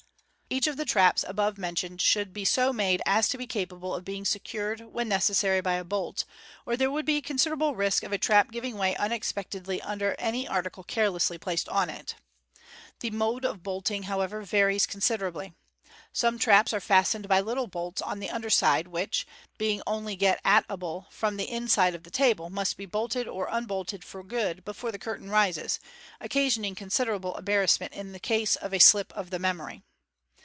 Each of the traps above mentioned should be so made as to be capable of being secured, when necessary, by a bolt, or there would be considerable risk of a trap giving way unexpectedly under any Fig. 268. 442 MODERN MAGIC. article carelessly placed on it. The mode of bolting, however, varies considerably. Some traps are fastened by little bolts on the under side, which, being only get at able from the inside of the table, must be bolted or unbolted for good before the curtain rises, occasioning considerable embarrassment in the case of a slip of the memory.